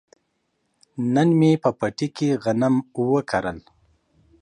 نن مې په پټي کې غنم وکرل.